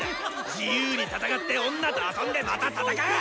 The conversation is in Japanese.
自由に戦って女と遊んでまた戦う！